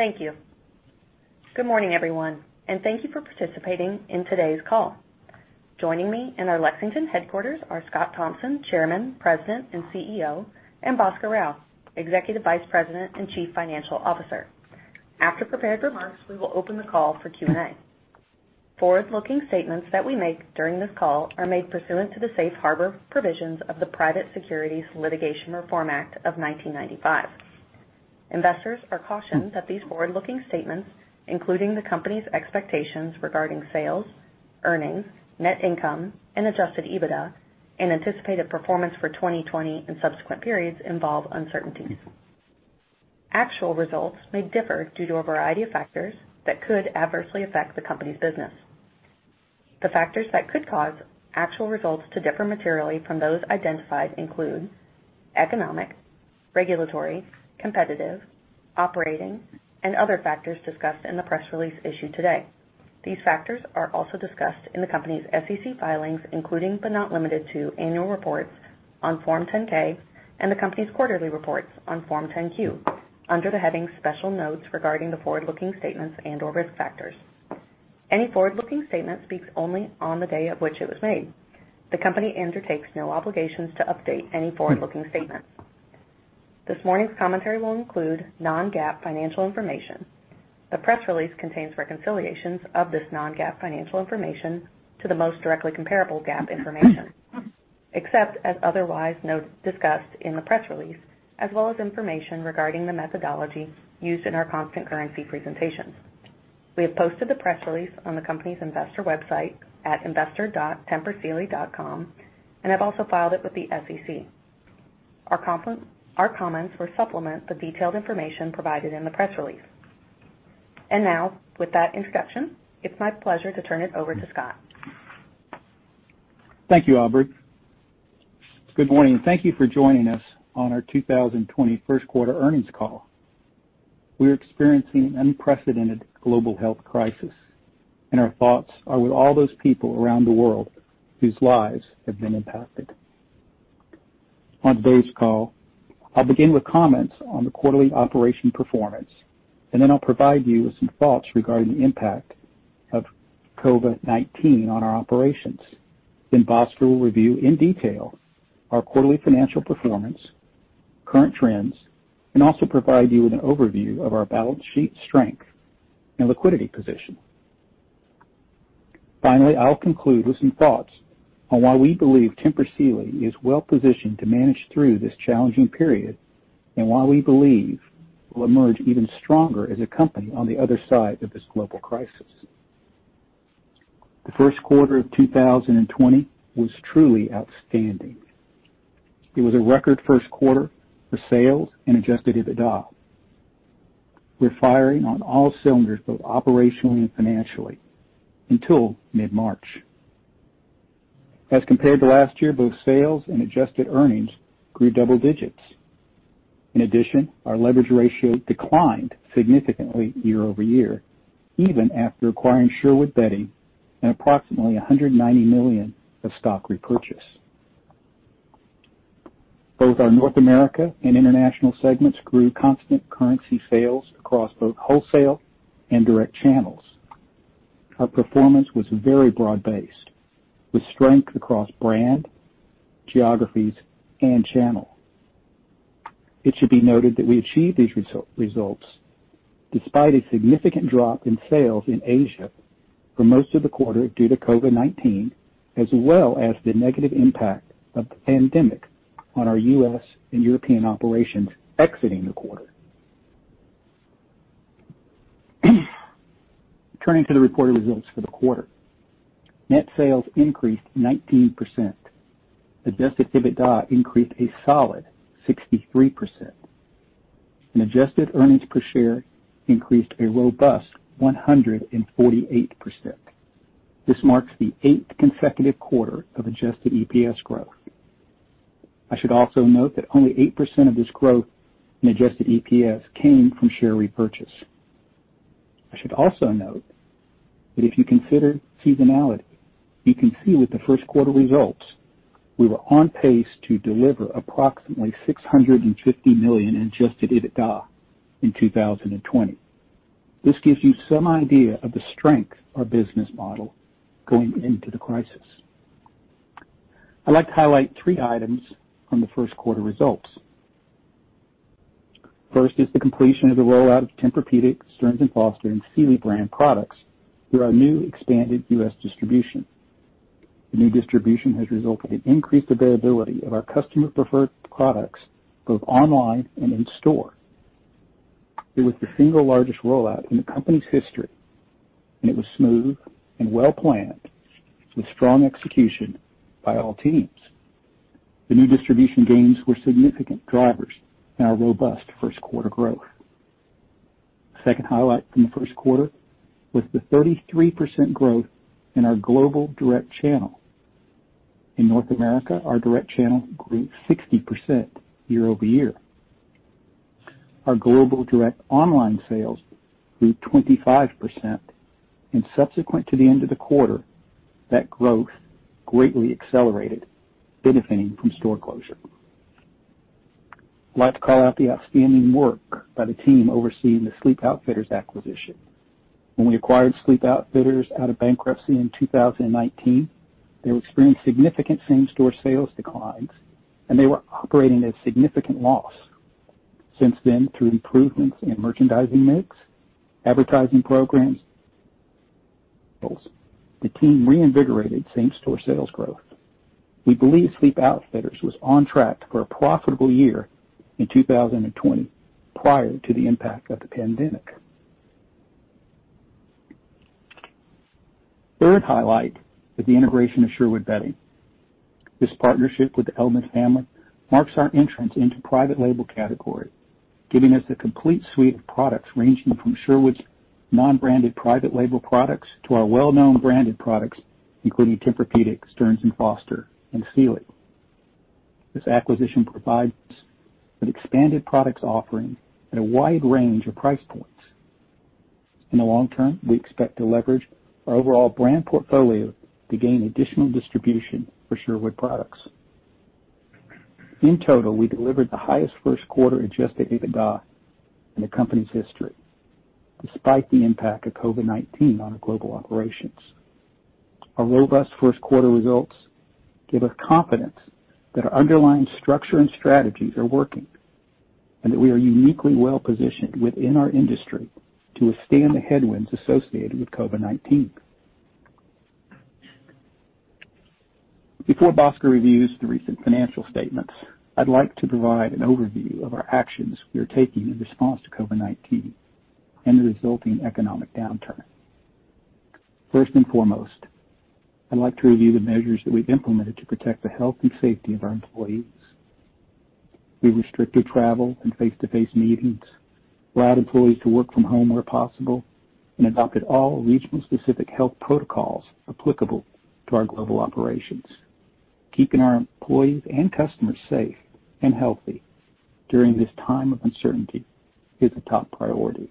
Thank you. Good morning, everyone, and thank you for participating in today's call. Joining me in our Lexington headquarters are Scott Thompson, Chairman, President, and CEO, and Bhaskar Rao, Executive Vice President and Chief Financial Officer. After prepared remarks, we will open the call for Q&A. Forward-looking statements that we make during this call are made pursuant to the safe harbor provisions of the Private Securities Litigation Reform Act of 1995. Investors are cautioned that these forward-looking statements, including the company's expectations regarding sales, earnings, net income, and adjusted EBITDA and anticipated performance for 2020 and subsequent periods involve uncertainties. Actual results may differ due to a variety of factors that could adversely affect the company's business. The factors that could cause actual results to differ materially from those identified include economic, regulatory, competitive, operating, and other factors discussed in the press release issued today. These factors are also discussed in the company's SEC filings, including, but not limited to annual reports on Form 10-K and the company's quarterly reports on Form 10-Q under the heading Special Notes regarding the forward-looking statements and/or risk factors. Any forward-looking statement speaks only on the day of which it was made. The company undertakes no obligations to update any forward-looking statement. This morning's commentary will include non-GAAP financial information. The press release contains reconciliations of this non-GAAP financial information to the most directly comparable GAAP information, except as otherwise discussed in the press release as well as information regarding the methodology used in our constant currency presentations. We have posted the press release on the company's investor website at investor.tempursealy.com and have also filed it with the SEC. Our comments will supplement the detailed information provided in the press release. Now with that introduction, it's my pleasure to turn it over to Scott. Thank you, Aubrey. Good morning, and thank you for joining us on our 2020 First Quarter Earnings Call. We are experiencing an unprecedented global health crisis, and our thoughts are with all those people around the world whose lives have been impacted. On today's call, I'll begin with comments on the quarterly operation performance, and then I'll provide you with some thoughts regarding the impact of COVID-19 on our operations. Bhaskar will review in detail our quarterly financial performance, current trends, and also provide you with an overview of our balance sheet strength and liquidity position. Finally, I'll conclude with some thoughts on why we believe Tempur Sealy is well positioned to manage through this challenging period and why we believe we'll emerge even stronger as a company on the other side of this global crisis. The first quarter of 2020 was truly outstanding. It was a record first quarter for sales and adjusted EBITDA. We're firing on all cylinders, both operationally and financially until mid-March. As compared to last year, both sales and adjusted earnings grew double digits. In addition, our leverage ratio declined significantly year-over-year even after acquiring Sherwood Bedding and approximately $190 million of stock repurchase. Both our North America and international segments grew constant currency sales across both wholesale and direct channels. Our performance was very broad-based with strength across brand, geographies, and channel. It should be noted that we achieved these results despite a significant drop in sales in Asia for most of the quarter due to COVID-19, as well as the negative impact of the pandemic on our U.S. and European operations exiting the quarter. Turning to the reported results for the quarter. Net sales increased 19%. Adjusted EBITDA increased a solid 63%. Adjusted earnings per share increased a robust 148%. This marks the eighth consecutive quarter of adjusted EPS growth. I should also note that only 8% of this growth in adjusted EPS came from share repurchase. I should also note that if you consider seasonality, you can see with the first quarter results, we were on pace to deliver approximately $650 million in adjusted EBITDA in 2020. This gives you some idea of the strength of our business model going into the crisis. I'd like to highlight three items from the first quarter results. First is the completion of the rollout of Tempur-Pedic, Stearns & Foster, and Sealy brand products through our new expanded U.S. distribution. The new distribution has resulted in increased availability of our customer preferred products both online and in store. It was the single largest rollout in the company's history, and it was smooth and well-planned with strong execution by all teams. The new distribution gains were significant drivers in our robust first quarter growth. The second highlight from the first quarter was the 33% growth in our global direct channel. In North America, our direct channel grew 60% year-over-year. Our global direct online sales grew 25%, and subsequent to the end of the quarter, that growth greatly accelerated, benefiting from store closure. I'd like to call out the outstanding work by the team overseeing the Sleep Outfitters acquisition. When we acquired Sleep Outfitters out of bankruptcy in 2019, they were experiencing significant same-store sales declines, and they were operating at a significant loss. Since then, through improvements in merchandising mix, advertising programs, the team reinvigorated same-store sales growth. We believe Sleep Outfitters was on track for a profitable year in 2020 prior to the impact of the pandemic. Third highlight is the integration of Sherwood Bedding. This partnership with the Ellman family marks our entrance into private label category, giving us a complete suite of products ranging from Sherwood's non-branded private label products to our well-known branded products, including Tempur-Pedic, Stearns & Foster, and Sealy. This acquisition provides an expanded products offering at a wide range of price points. In the long term, we expect to leverage our overall brand portfolio to gain additional distribution for Sherwood products. In total, we delivered the highest first quarter adjusted EBITDA in the company's history, despite the impact of COVID-19 on our global operations. Our robust first quarter results give us confidence that our underlying structure and strategies are working, and that we are uniquely well-positioned within our industry to withstand the headwinds associated with COVID-19. Before Bhaskar reviews the recent financial statements, I'd like to provide an overview of our actions we are taking in response to COVID-19 and the resulting economic downturn. First and foremost, I'd like to review the measures that we've implemented to protect the health and safety of our employees. We restricted travel and face-to-face meetings, allowed employees to work from home where possible, and adopted all regional specific health protocols applicable to our global operations. Keeping our employees and customers safe and healthy during this time of uncertainty is a top priority.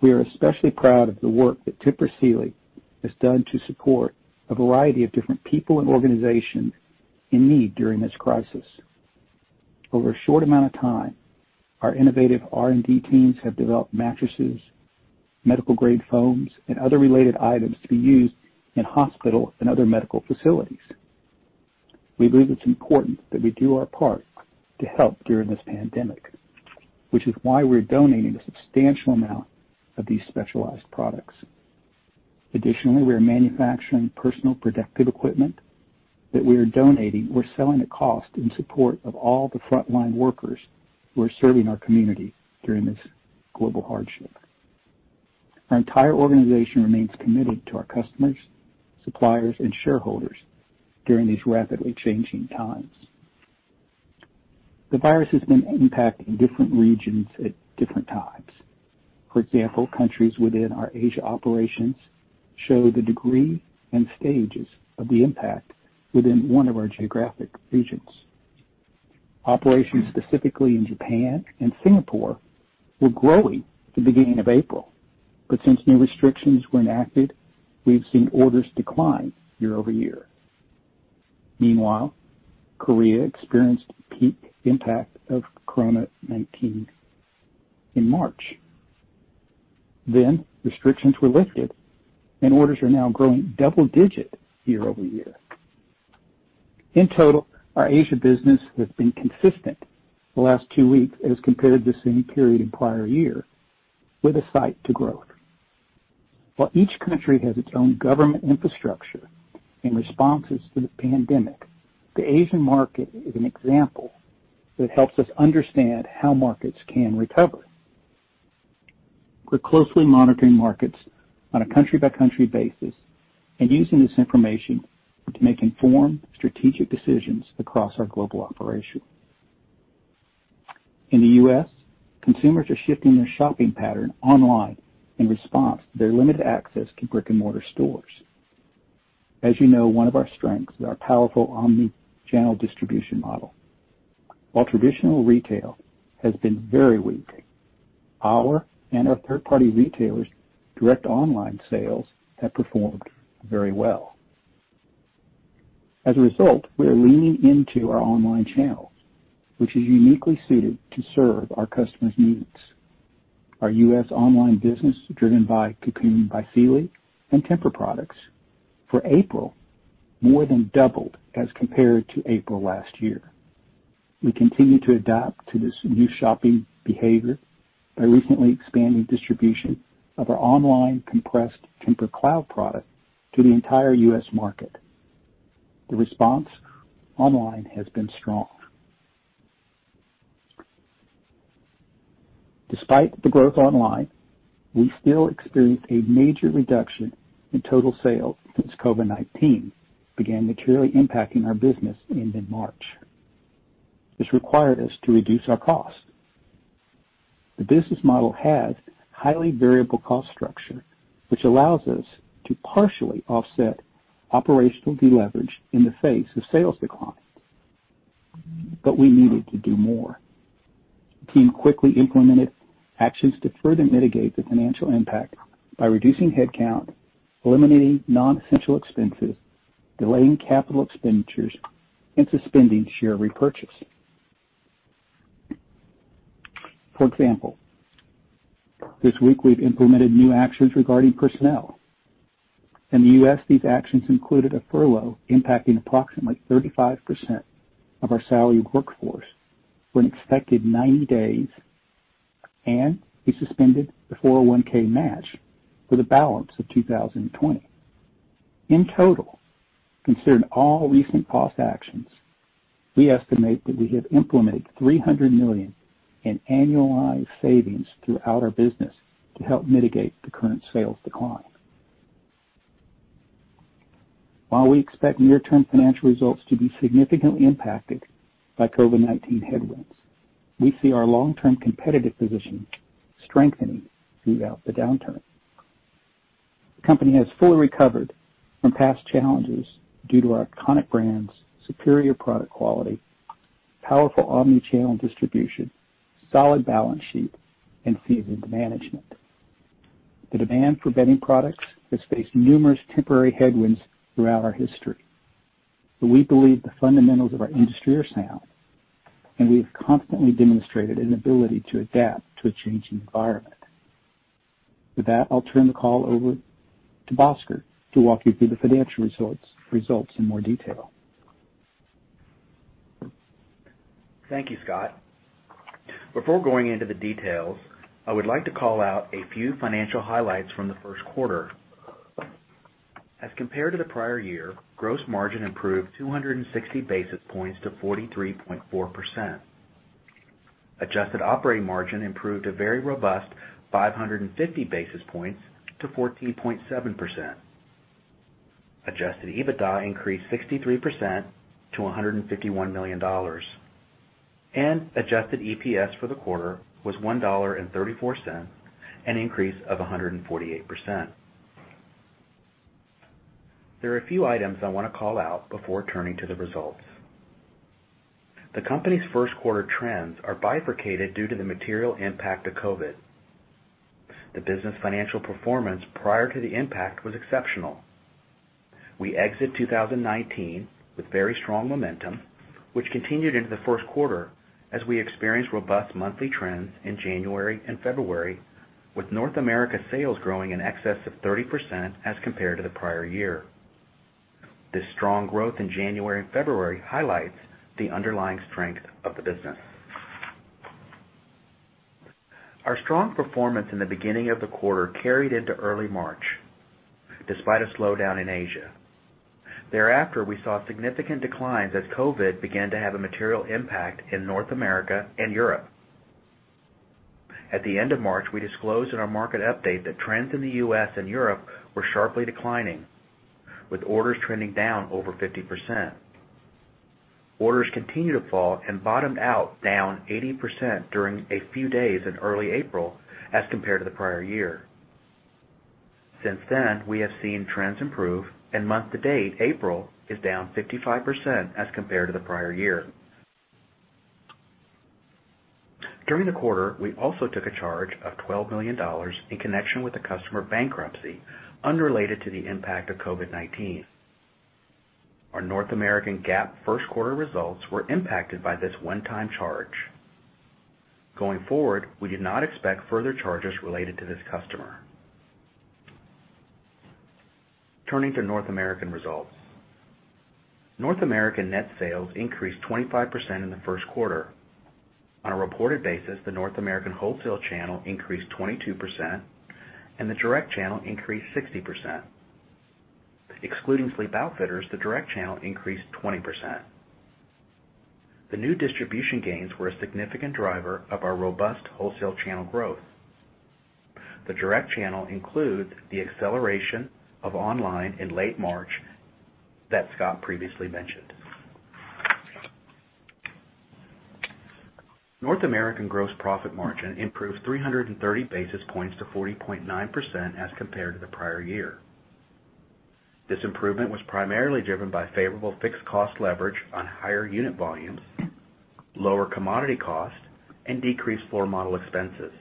We are especially proud of the work that Tempur Sealy has done to support a variety of different people and organizations in need during this crisis. Over a short amount of time, our innovative R&D teams have developed mattresses, medical-grade foams, and other related items to be used in hospital and other medical facilities. We believe it's important that we do our part to help during this pandemic, which is why we're donating a substantial amount of these specialized products. Additionally, we are manufacturing personal protective equipment that we are donating or selling at cost in support of all the frontline workers who are serving our community during this global hardship. Our entire organization remains committed to our customers, suppliers, and shareholders during these rapidly changing times. The virus has been impacting different regions at different times. For example, countries within our Asia operations show the degree and stages of the impact within one of our geographic regions. Operations specifically in Japan and Singapore were growing at the beginning of April. Since new restrictions were enacted, we've seen orders decline year-over-year. Meanwhile, Korea experienced peak impact of COVID-19 in March. Restrictions were lifted and orders are now growing double-digit year-over-year. In total, our Asia business has been consistent the last two weeks as compared to the same period in prior year with a sight to growth. Each country has its own government infrastructure in responses to the pandemic, the Asian market is an example that helps us understand how markets can recover. We're closely monitoring markets on a country-by-country basis. Using this information to make informed strategic decisions across our global operation. In the U.S., consumers are shifting their shopping pattern online in response to their limited access to brick-and-mortar stores. As you know, one of our strengths is our powerful omni-channel distribution model. While traditional retail has been very weak, our and our third-party retailers' direct online sales have performed very well. As a result, we are leaning into our online channel, which is uniquely suited to serve our customers' needs. Our U.S. online business, driven by Cocoon by Sealy and Tempur products, for April more than doubled as compared to April last year. We continue to adapt to this new shopping behavior by recently expanding distribution of our online compressed TEMPUR-Cloud product to the entire U.S. market. The response online has been strong. Despite the growth online, we still experienced a major reduction in total sales since COVID-19 began materially impacting our business in mid-March. This required us to reduce our costs. The business model has highly variable cost structure, which allows us to partially offset operational deleverage in the face of sales decline, but we needed to do more. The team quickly implemented actions to further mitigate the financial impact by reducing headcount, eliminating non-essential expenses, delaying capital expenditures, and suspending share repurchase. For example, this week we've implemented new actions regarding personnel. In the U.S., these actions included a furlough impacting approximately 35% of our salaried workforce for an expected 90 days, and we suspended the 401(k) match for the balance of 2020. In total, considering all recent cost actions, we estimate that we have implemented $300 million in annualized savings throughout our business to help mitigate the current sales decline. While we expect near-term financial results to be significantly impacted by COVID-19 headwinds, we see our long-term competitive position strengthening throughout the downturn. The company has fully recovered from past challenges due to our iconic brands, superior product quality, powerful omni-channel distribution, solid balance sheet, and seasoned management. The demand for bedding products has faced numerous temporary headwinds throughout our history, but we believe the fundamentals of our industry are sound, and we have constantly demonstrated an ability to adapt to a changing environment. With that, I'll turn the call over to Bhaskar to walk you through the financial results in more detail. Thank you, Scott. Before going into the details, I would like to call out a few financial highlights from the first quarter. As compared to the prior year, gross margin improved 260 basis points to 43.4%. Adjusted operating margin improved a very robust 550 basis points to 14.7%. Adjusted EBITDA increased 63% to $151 million, and adjusted EPS for the quarter was $1.34, an increase of 148%. There are a few items I want to call out before turning to the results. The company's first quarter trends are bifurcated due to the material impact of COVID-19. The business financial performance prior to the impact was exceptional. We exit 2019 with very strong momentum, which continued into the first quarter as we experienced robust monthly trends in January and February, with North America sales growing in excess of 30% as compared to the prior year. This strong growth in January and February highlights the underlying strength of the business. Our strong performance in the beginning of the quarter carried into early March, despite a slowdown in Asia. Thereafter, we saw significant declines as COVID-19 began to have a material impact in North America and Europe. At the end of March, we disclosed in our market update that trends in the U.S. and Europe were sharply declining, with orders trending down over 50%. Orders continued to fall and bottomed out down 80% during a few days in early April as compared to the prior year. Since then, we have seen trends improve. Month-to-date, April is down 55% as compared to the prior year. During the quarter, we also took a charge of $12 million in connection with a customer bankruptcy unrelated to the impact of COVID-19. Our North American GAAP first quarter results were impacted by this one-time charge. Going forward, we do not expect further charges related to this customer. Turning to North American results. North American net sales increased 25% in the first quarter. On a reported basis, the North American wholesale channel increased 22% and the direct channel increased 60%. Excluding Sleep Outfitters, the direct channel increased 20%. The new distribution gains were a significant driver of our robust wholesale channel growth. The direct channel includes the acceleration of online in late March that Scott previously mentioned. North American gross profit margin improved 330 basis points to 40.9% as compared to the prior year. This improvement was primarily driven by favorable fixed cost leverage on higher unit volumes, lower commodity costs, and decreased floor model expenses.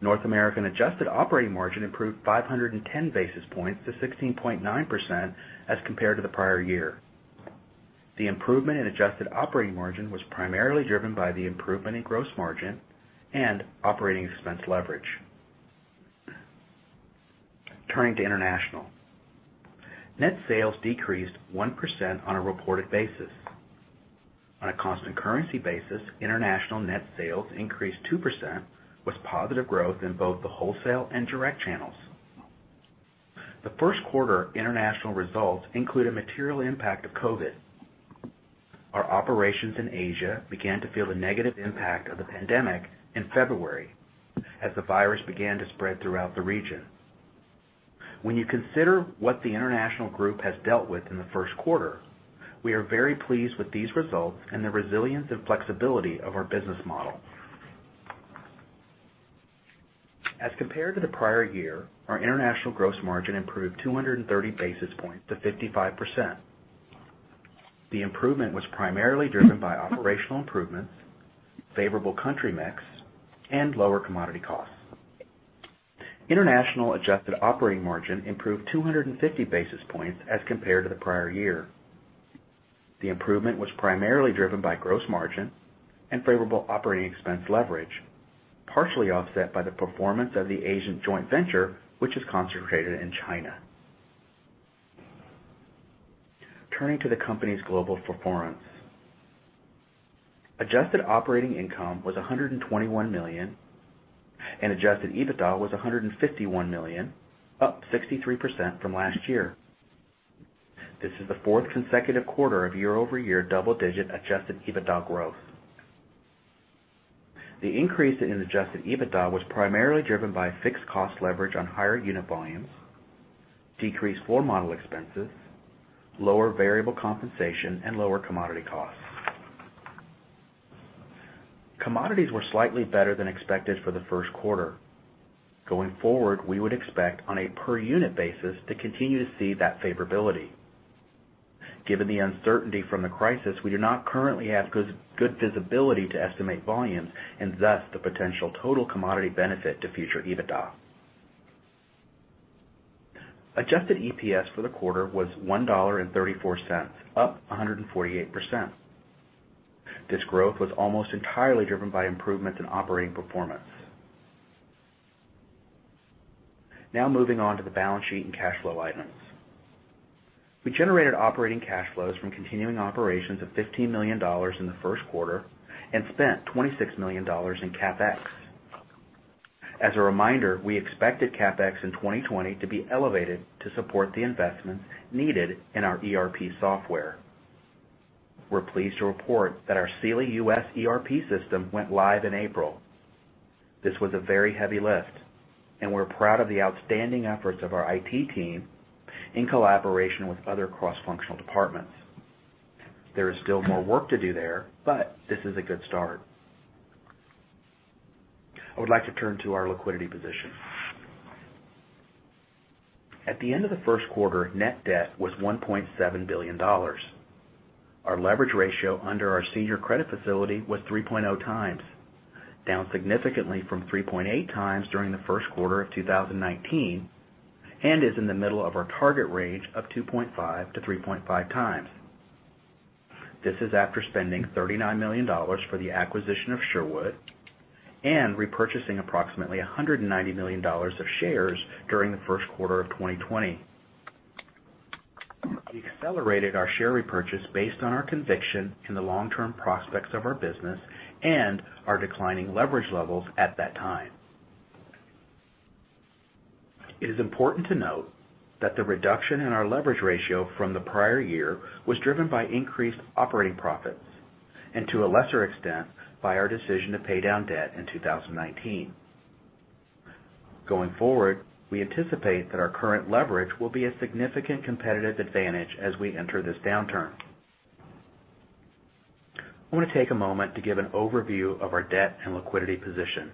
North American adjusted operating margin improved 510 basis points to 16.9% as compared to the prior year. The improvement in adjusted operating margin was primarily driven by the improvement in gross margin and operating expense leverage. Turning to international. Net sales decreased 1% on a reported basis. On a constant currency basis, international net sales increased 2%, with positive growth in both the wholesale and direct channels. The first quarter international results include a material impact of COVID-19. Our operations in Asia began to feel the negative impact of the pandemic in February as the virus began to spread throughout the region. When you consider what the international group has dealt with in the first quarter, we are very pleased with these results and the resilience and flexibility of our business model. As compared to the prior year, our international gross margin improved 230 basis points to 55%. The improvement was primarily driven by operational improvements, favorable country mix, and lower commodity costs. International adjusted operating margin improved 250 basis points as compared to the prior year. The improvement was primarily driven by gross margin and favorable operating expense leverage, partially offset by the performance of the Asian joint venture, which is concentrated in China. Turning to the company's global performance. Adjusted operating income was $121 million, and adjusted EBITDA was $151 million, up 63% from last year. This is the fourth consecutive quarter of year-over-year double-digit adjusted EBITDA growth. The increase in adjusted EBITDA was primarily driven by fixed cost leverage on higher unit volumes, decreased floor model expenses, lower variable compensation, and lower commodity costs. Commodities were slightly better than expected for the first quarter. Going forward, we would expect on a per unit basis to continue to see that favorability. Given the uncertainty from the crisis, we do not currently have good visibility to estimate volumes and thus the potential total commodity benefit to future EBITDA. Adjusted EPS for the quarter was $1.34, up 148%. This growth was almost entirely driven by improvements in operating performance. Moving on to the balance sheet and cash flow items. We generated operating cash flows from continuing operations of $15 million in the first quarter and spent $26 million in CapEx. As a reminder, we expected CapEx in 2020 to be elevated to support the investments needed in our ERP software. We're pleased to report that our Sealy U.S. ERP system went live in April. This was a very heavy lift, and we're proud of the outstanding efforts of our IT team in collaboration with other cross-functional departments. There is still more work to do there. This is a good start. I would like to turn to our liquidity position. At the end of the first quarter, net debt was $1.7 billion. Our leverage ratio under our senior credit facility was 3.0x down significantly from 3.8x during the first quarter of 2019 and is in the middle of our target range of 2.5x-3.5x times. This is after spending $39 million for the acquisition of Sherwood and repurchasing approximately $190 million of shares during the first quarter of 2020. We accelerated our share repurchase based on our conviction in the long-term prospects of our business and our declining leverage levels at that time. It is important to note that the reduction in our leverage ratio from the prior year was driven by increased operating profits and to a lesser extent, by our decision to pay down debt in 2019. Going forward, we anticipate that our current leverage will be a significant competitive advantage as we enter this downturn. I want to take a moment to give an overview of our debt and liquidity position.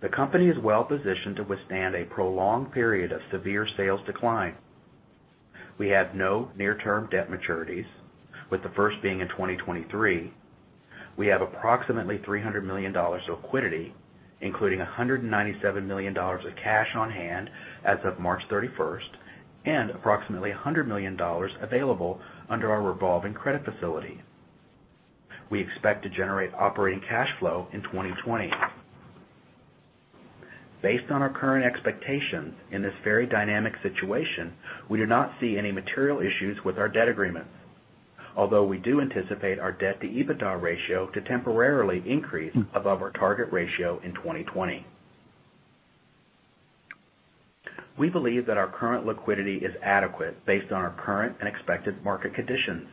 The company is well positioned to withstand a prolonged period of severe sales decline. We have no near-term debt maturities, with the first being in 2023. We have approximately $300 million of liquidity, including $197 million of cash on hand as of March 31st, and approximately $100 million available under our revolving credit facility. We expect to generate operating cash flow in 2020. Based on our current expectations in this very dynamic situation, we do not see any material issues with our debt agreements, although we do anticipate our debt-to-EBITDA ratio to temporarily increase above our target ratio in 2020. We believe that our current liquidity is adequate based on our current and expected market conditions.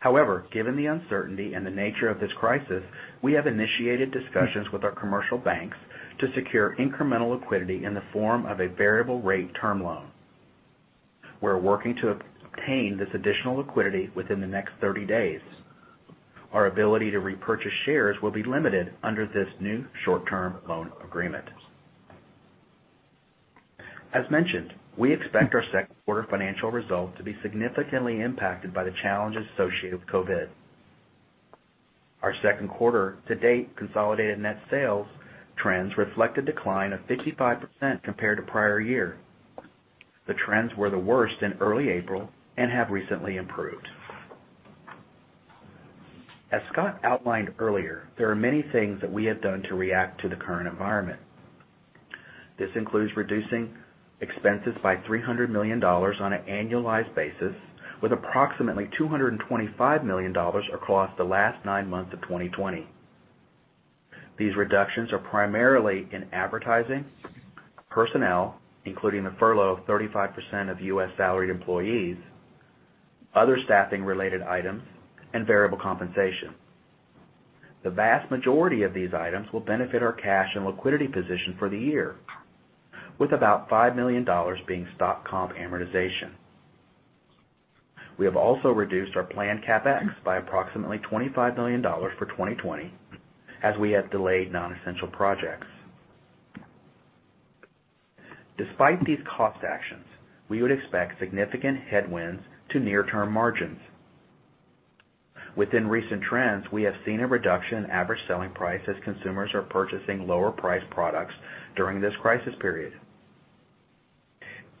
However, given the uncertainty and the nature of this crisis, we have initiated discussions with our commercial banks to secure incremental liquidity in the form of a variable rate term loan. We're working to obtain this additional liquidity within the next 30 days. Our ability to repurchase shares will be limited under this new short-term loan agreement. As mentioned, we expect our second quarter financial results to be significantly impacted by the challenges associated with COVID-19. Our second quarter to date consolidated net sales trends reflect a decline of 55% compared to prior year. The trends were the worst in early April and have recently improved. As Scott outlined earlier, there are many things that we have done to react to the current environment. This includes reducing expenses by $300 million on an annualized basis, with approximately $225 million across the last nine months of 2020. These reductions are primarily in advertising, personnel, including the furlough of 35% of U.S. salaried employees, other staffing related items, and variable compensation. The vast majority of these items will benefit our cash and liquidity position for the year, with about $5 million being stock comp amortization. We have also reduced our planned CapEx by approximately $25 million for 2020, as we have delayed non-essential projects. Despite these cost actions, we would expect significant headwinds to near-term margins. Within recent trends, we have seen a reduction in average selling price as consumers are purchasing lower priced products during this crisis period.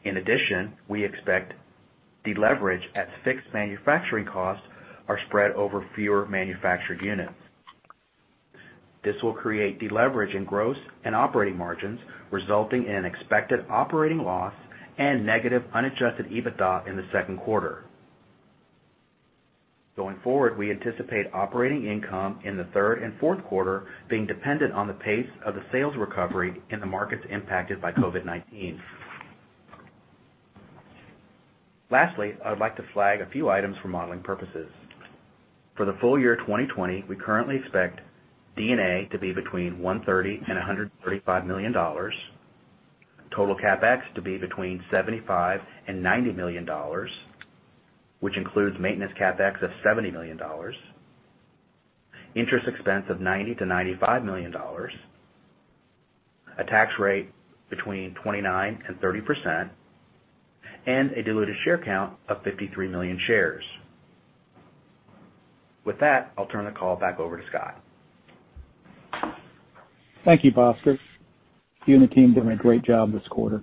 In addition, we expect deleverage as fixed manufacturing costs are spread over fewer manufactured units. This will create deleverage in gross and operating margins, resulting in an expected operating loss and negative unadjusted EBITDA in the second quarter. We anticipate operating income in the third and fourth quarter being dependent on the pace of the sales recovery in the markets impacted by COVID-19. I would like to flag a few items for modeling purposes. For the full year 2020, we currently expect D&A to be between $130 million and $135 million, total CapEx to be between $75 million and $90 million, which includes maintenance CapEx of $70 million, interest expense of $90 million-$95 million, a tax rate between 29% and 30%, and a diluted share count of 53 million shares. With that, I'll turn the call back over to Scott. Thank you, Bhaskar. You and the team did a great job this quarter.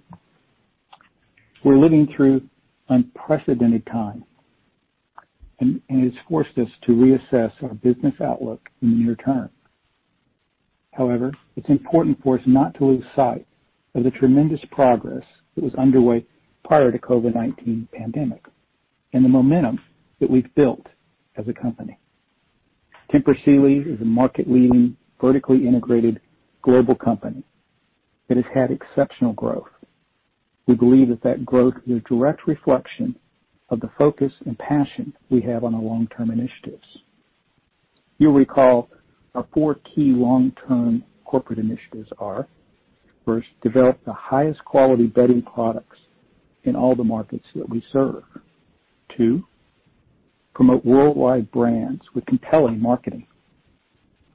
We're living through unprecedented times, and it's forced us to reassess our business outlook in the near term. However, it's important for us not to lose sight of the tremendous progress that was underway prior to COVID-19 pandemic and the momentum that we've built as a company. Tempur Sealy is a market-leading, vertically integrated global company that has had exceptional growth. We believe that growth is a direct reflection of the focus and passion we have on our long-term initiatives. You'll recall our four key long-term corporate initiatives are, first, develop the highest quality bedding products in all the markets that we serve. Two, promote worldwide brands with compelling marketing.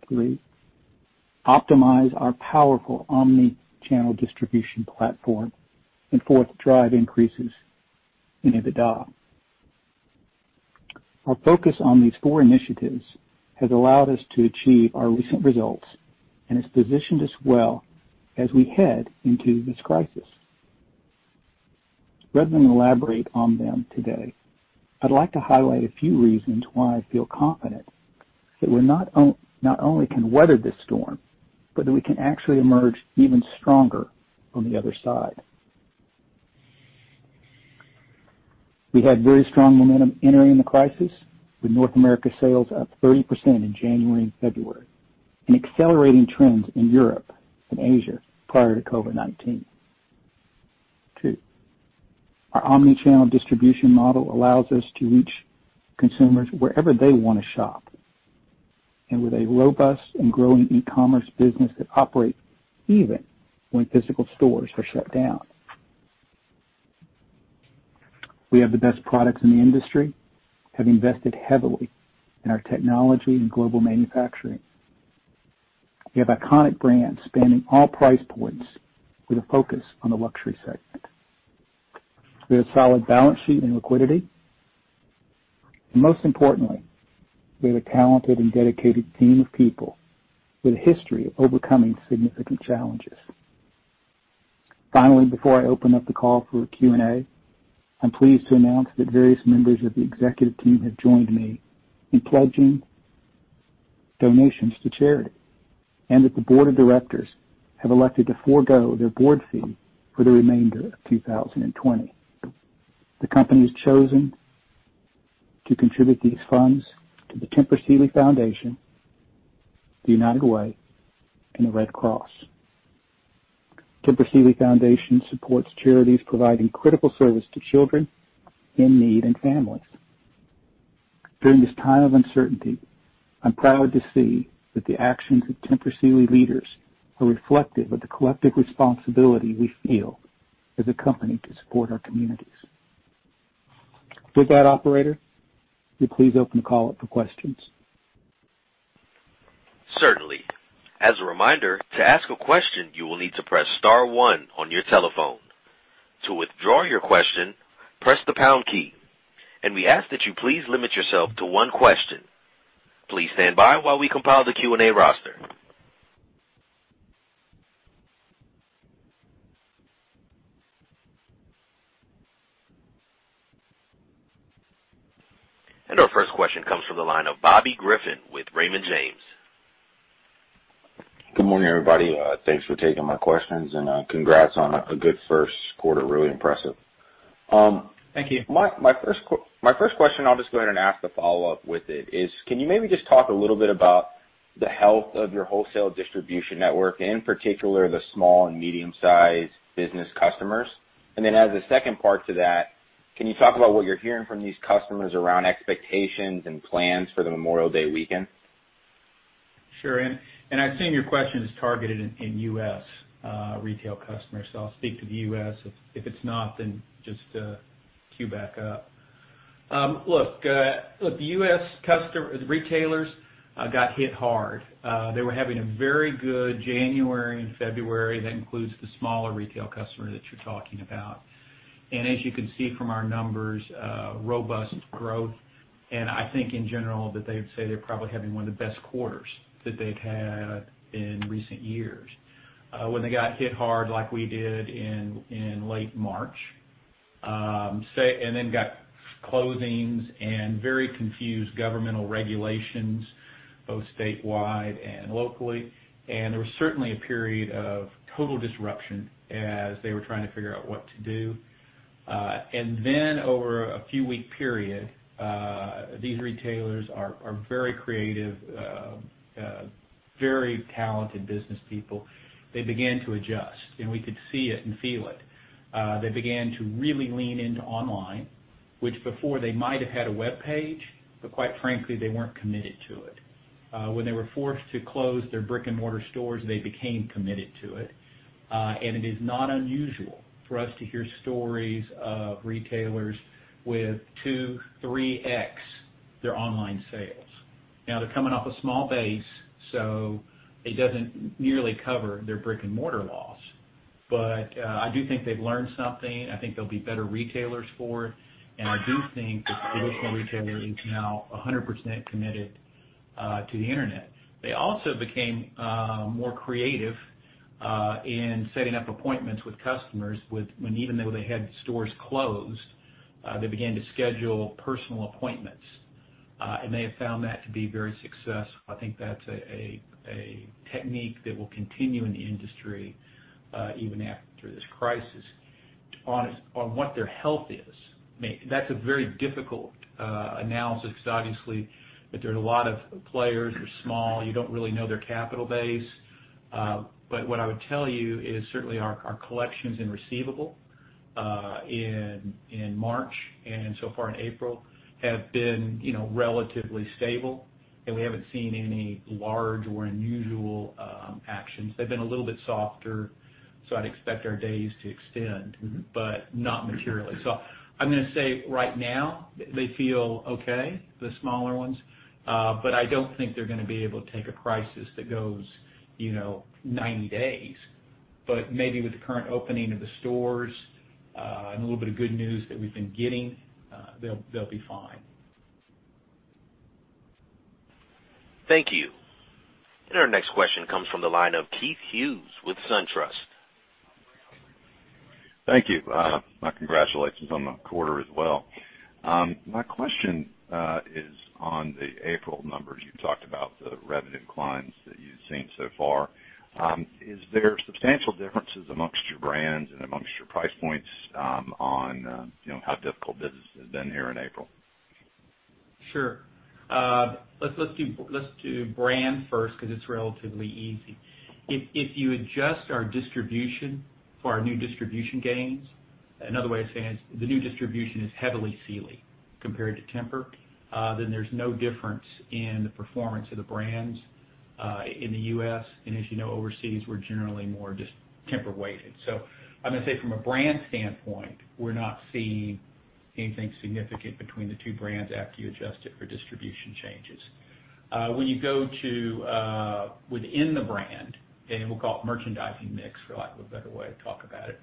Three, optimize our powerful omni-channel distribution platform. Fourth, drive increases in EBITDA. Our focus on these four initiatives has allowed us to achieve our recent results and has positioned us well as we head into this crisis. Rather than elaborate on them today, I'd like to highlight a few reasons why I feel confident that we're not only can weather this storm, but that we can actually emerge even stronger on the other side. We had very strong momentum entering the crisis, with North America sales up 30% in January and February, and accelerating trends in Europe and Asia prior to COVID-19. Two, our omni-channel distribution model allows us to reach consumers wherever they wanna shop, and with a robust and growing e-commerce business that operates even when physical stores are shut down. We have the best products in the industry, have invested heavily in our technology and global manufacturing. We have iconic brands spanning all price points with a focus on the luxury segment. We have a solid balance sheet and liquidity. Most importantly, we have a talented and dedicated team of people with a history of overcoming significant challenges. Finally, before I open up the call for Q&A, I'm pleased to announce that various members of the executive team have joined me in pledging donations to charity, and that the board of directors have elected to forego their board fee for the remainder of 2020. The company has chosen to contribute these funds to the Tempur Sealy Foundation, the United Way, and the Red Cross. Tempur Sealy Foundation supports charities providing critical service to children in need and families. During this time of uncertainty, I'm proud to see that the actions of Tempur Sealy leaders are reflective of the collective responsibility we feel as a company to support our communities. With that, Operator, would you please open the call up for questions? Certainly. As a reminder, to ask a question, you will need to press star one on your telephone. To withdraw your question, press the pound key. We ask that you please limit yourself to one question. Please stand by while we compile the Q&A roster. Our first question comes from the line of Bobby Griffin with Raymond James. Good morning, everybody. Thanks for taking my questions. Congrats on a good first quarter. Really impressive. Thank you. My first question, I'll just go ahead and ask the follow-up with it, is can you maybe just talk a little bit about the health of your wholesale distribution network, in particular the small and medium-sized business customers? As a second part to that, can you talk about what you're hearing from these customers around expectations and plans for the Memorial Day weekend? Sure. I've seen your question is targeted in U.S. retail customers, so I'll speak to the U.S. If it's not, just queue back up. Look, the U.S. retailers got hit hard. They were having a very good January and February. That includes the smaller retail customer that you're talking about. As you can see from our numbers, robust growth. I think in general that they'd say they're probably having one of the best quarters that they've had in recent years. When they got hit hard like we did in late March, got closings and very confused governmental regulations, both statewide and locally. There was certainly a period of total disruption as they were trying to figure out what to do. Over a few week period, these retailers are very creative, very talented business people. They began to adjust, and we could see it and feel it. They began to really lean into online, which before they might have had a webpage, but quite frankly, they weren't committed to it. When they were forced to close their brick-and-mortar stores, they became committed to it. It is not unusual for us to hear stories of retailers with 2x, 3x their online sales. They're coming off a small base, it doesn't nearly cover their brick-and-mortar loss. I do think they've learned something. I think they'll be better retailers for it, and I do think that the traditional retailer is now 100% committed to the Internet. They also became more creative in setting up appointments with customers when even though they had stores closed, they began to schedule personal appointments. They have found that to be very successful. I think that's a technique that will continue in the industry even after this crisis. To be honest, on what their health is, that's a very difficult analysis because obviously there are a lot of players. They're small. You don't really know their capital base. What I would tell you is certainly our collections and receivable in March and so far in April, have been, you know, relatively stable, and we haven't seen any large or unusual actions. They've been a little bit softer, I'd expect our days to extend. Not materially. I'm going to say right now they feel okay, the smaller ones. I don't think they're going to be able to take a crisis that goes, you know, 90 days. Maybe with the current opening of the stores, and a little bit of good news that we've been getting, they'll be fine. Thank you. Our next question comes from the line of Keith Hughes with SunTrust. Thank you. My congratulations on the quarter as well. My question is on the April numbers. You talked about the revenue declines that you've seen so far. Is there substantial differences amongst your brands and amongst your price points, on, you know, how difficult business has been here in April? Sure. Let's do brand first because it's relatively easy. If you adjust our distribution for our new distribution gains, another way of saying it is the new distribution is heavily Sealy compared to Tempur, then there's no difference in the performance of the brands in the U.S. As you know, overseas, we're generally more just Tempur weighted. I'm gonna say from a brand standpoint, we're not seeing anything significant between the two brands after you adjust it for distribution changes. When you go to, within the brand, and we'll call it merchandising mix for lack of a better way to talk about it,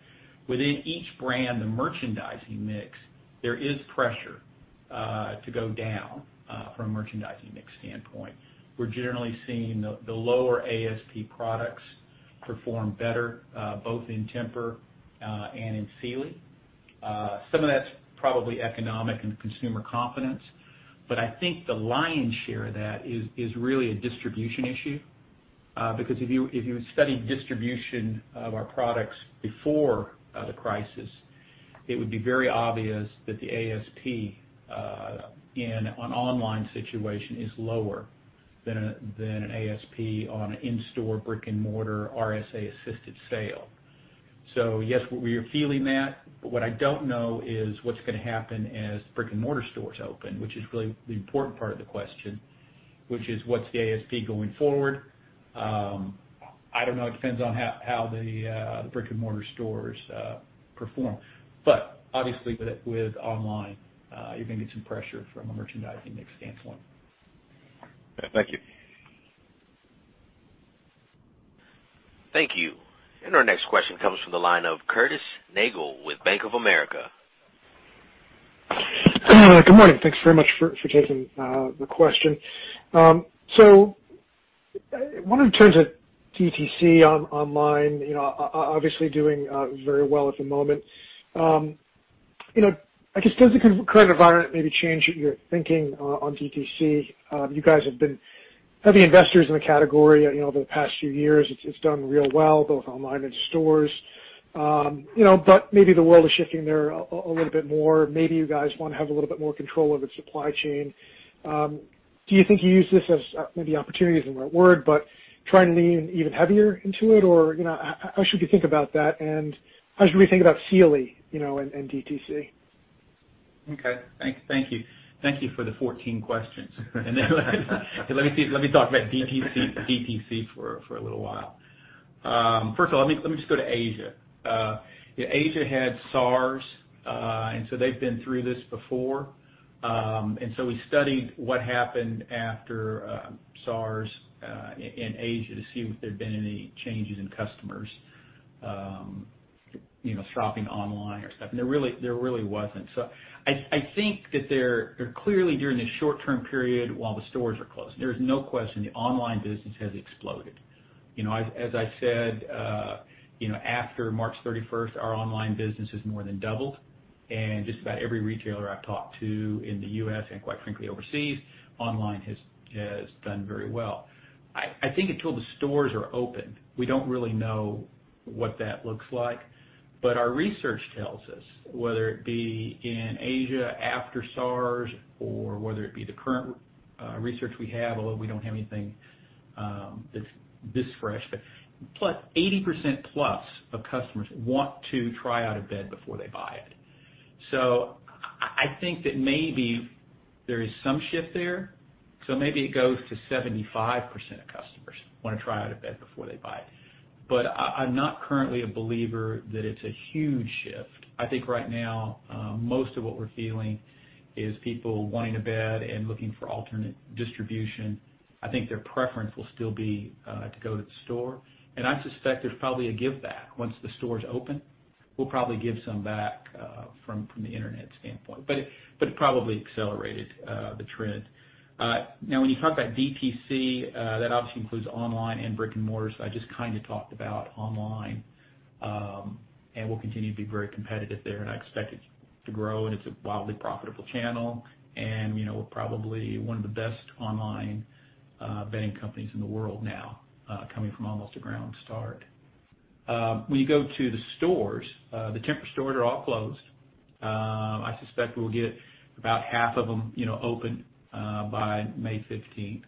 within each brand, the merchandising mix, there is pressure to go down from a merchandising mix standpoint. We're generally seeing the lower ASP products perform better, both in Tempur and in Sealy. Some of that's probably economic and consumer confidence, but I think the lion's share of that is really a distribution issue. Because if you study distribution of our products before the crisis, it would be very obvious that the ASP in an online situation is lower than an ASP on an in-store brick-and-mortar RSA assisted sale. Yes, we are feeling that, but what I don't know is what's gonna happen as brick-and-mortar stores open, which is really the important part of the question, which is what's the ASP going forward? I don't know. It depends on how the brick-and-mortar stores perform. Obviously with online, you're gonna get some pressure from a merchandising mix standpoint.. Thank you. Thank you. Our next question comes from the line of Curtis Nagle with Bank of America. Good morning. Thanks very much for taking the question. I wanted to turn to DTC online, you know, obviously doing very well at the moment. You know, I guess does the current environment maybe change your thinking on DTC? You guys have been heavy investors in the category, you know, over the past few years. It's done real well, both online and stores. You know, maybe the world is shifting there a little bit more. Maybe you guys wanna have a little bit more control over the supply chain. Do you think you use this as maybe opportunity isn't the right word, but try and lean even heavier into it? You know, how should we think about that, and how should we think about Sealy, you know, and DTC? Okay. Thank you. Thank you for the 14 questions. Let me see, let me talk about DTC for a little while. First of all, let me just go to Asia. Yeah, Asia had SARS, and they've been through this before. We studied what happened after SARS in Asia to see if there'd been any changes in customers, you know, shopping online or stuff, there really wasn't. I think that there clearly during this short-term period while the stores are closed, there is no question the online business has exploded. You know, as I've said, you know, after March 31st, our online business has more than doubled, and just about every retailer I've talked to in the U.S. and quite frankly overseas, online has done very well. I think until the stores are open, we don't really know what that looks like. Our research tells us, whether it be in Asia after SARS or whether it be the current research we have, although we don't have anything that's this fresh. Plus 80% plus of customers want to try out a bed before they buy it. I think that maybe there is some shift there, so maybe it goes to 75% of customers want to try out a bed before they buy it. I'm not currently a believer that it's a huge shift. I think right now, most of what we're feeling is people wanting a bed and looking for alternate distribution. I think their preference will still be to go to the store, I suspect there's probably a giveback once the stores open. We'll probably give some back from the internet standpoint. It probably accelerated the trend. Now when you talk about DTC, that obviously includes online and brick-and-mortar, I just kind of talked about online. We'll continue to be very competitive there, I expect it to grow, it's a wildly profitable channel, you know, we're probably one of the best online bedding companies in the world now coming from almost a ground start. When you go to the stores, the Tempur stores are all closed. I suspect we'll get about half of them, you know, open by May 15th.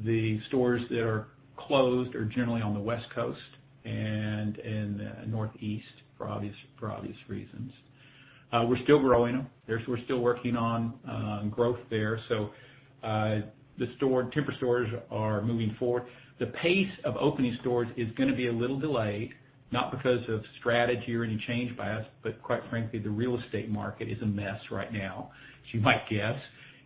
The stores that are closed are generally on the West Coast and in the Northeast for obvious reasons. We're still growing them. We're still working on growth there. The store, Tempur stores are moving forward. The pace of opening stores is gonna be a little delayed, not because of strategy or any change by us, but quite frankly, the real estate market is a mess right now, as you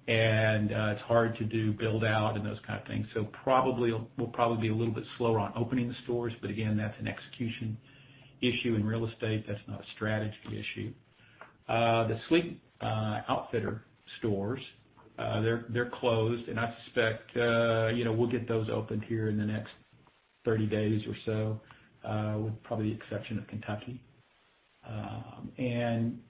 might guess. It's hard to do build-out and those kind of things. We'll probably be a little bit slower on opening the stores, but again, that's an execution issue in real estate. That's not a strategy issue. The Sleep Outfitters stores, they're closed, and I suspect, you know, we'll get those opened here in the next 30 days or so, with probably the exception of Kentucky.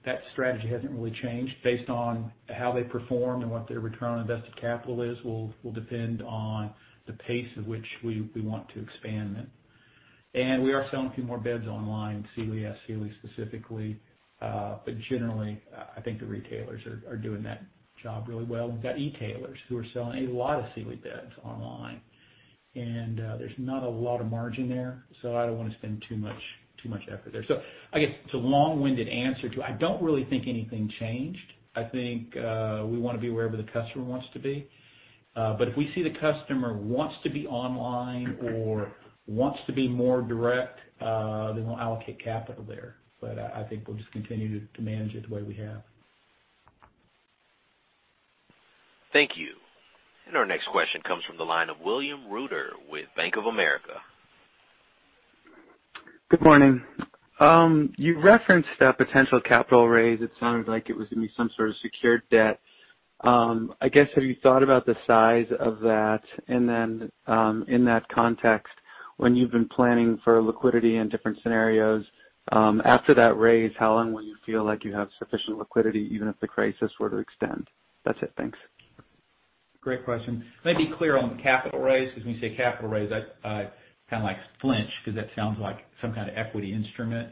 That strategy hasn't really changed based on how they perform and what their return on invested capital is, will depend on the pace at which we want to expand them. We are selling a few more beds online, Sealy specifically. Generally, I think the retailers are doing that job really well. We've got e-tailers who are selling a lot of Sealy beds online. There's not a lot of margin there, so I don't wanna spend too much effort there. I guess it's a long-winded answer to I don't really think anything changed. I think, we wanna be wherever the customer wants to be. If we see the customer wants to be online or wants to be more direct, then we'll allocate capital there. I think we'll just continue to manage it the way we have. Thank you. Our next question comes from the line of William Reuter with Bank of America. Good morning. You referenced a potential capital raise. It sounded like it was gonna be some sort of secured debt. I guess, have you thought about the size of that? In that context, when you've been planning for liquidity in different scenarios, after that raise, how long will you feel like you have sufficient liquidity even if the crisis were to extend? That's it. Thanks. Great question. Let me be clear on the capital raise, 'cause when you say capital raise, I kinda like flinch 'cause that sounds like some kind of equity instrument.